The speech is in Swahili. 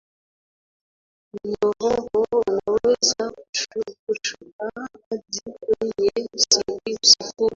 mnyororo unaweza kushuka hadi kwenye sifuri